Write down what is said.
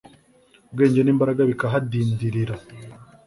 ubwenge nimbaraga bikahadindirira